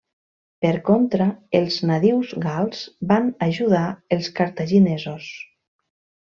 Per contra, els nadius gals van ajudar els cartaginesos.